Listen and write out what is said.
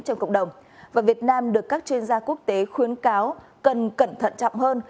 trong cộng đồng việt nam được các chuyên gia quốc tế khuyến cáo cần cẩn thận chậm hơn